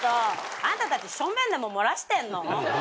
あんたたちションベンでも漏らしてんの？